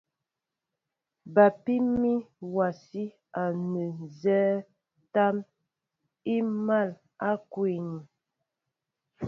Bapí mi wási ánɛ nzɛ́ɛ́ tâm i mǎl a kwɛni.